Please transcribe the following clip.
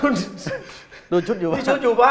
นี่ชุดอยู่บ้าน